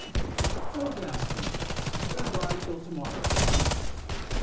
"Don't ask me! Good by till to morrow."